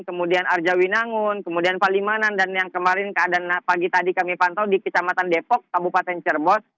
kemudian arjawinangun kemudian palimanan dan yang kemarin keadaan pagi tadi kami pantau di kecamatan depok kabupaten cirebos